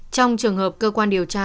trong trường hợp cơ quan điều tra